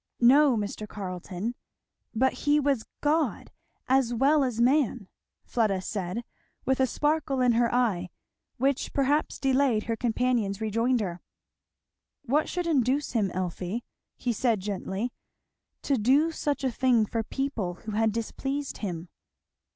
"No, Mr. Carleton, but he was God as well as man," Fleda said, with a sparkle in her eye which perhaps delayed her companion's rejoinder. "What should induce him, Elfie," he said gently, "to do such a thing for people who had displeased him?"